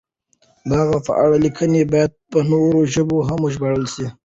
د هغه په اړه لیکنې باید په نورو ژبو هم وژباړل شي.